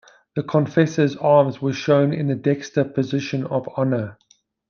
The Confessor's arms were shown in the dexter position of honour.